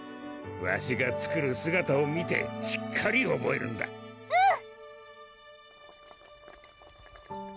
わしが作る姿を見てしっかりおぼえるんだうん！